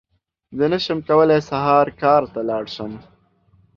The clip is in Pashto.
زه نشم کولی سهار کار ته لاړ شم!